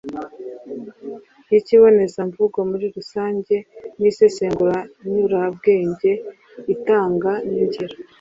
ry'ikibonezamvugo muri rusange, n'isesengura nyurambwenge itanga n'ingero